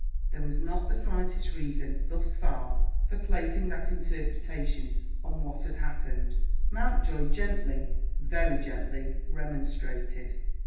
There was not the slightest reason, thus far, for placing that interpretation on what had happened. Mountjoy gently, very gently, remonstrated.